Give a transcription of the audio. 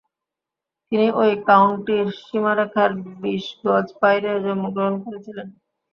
তিনি ঐ কাউন্টির সীমারেখার বিশ গজ বাইরে জন্মগ্রহণ করেছিলেন।